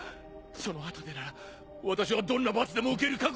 その後でなら私はどんな罰でも受ける覚悟も。